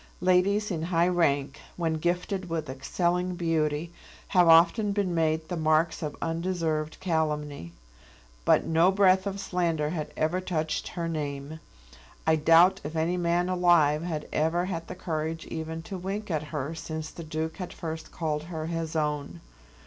Ladies in high rank, when gifted with excelling beauty, have often been made the marks of undeserved calumny; but no breath of slander had ever touched her name. I doubt if any man alive had ever had the courage even to wink at her since the Duke had first called her his own.